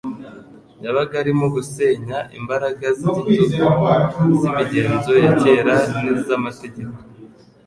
Yabaga arimo gusenya imbaraga z’igitugu z’imigenzo ya kera n’iz’amategeko